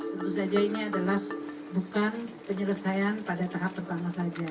tentu saja ini adalah bukan penyelesaian pada tahap pertama saja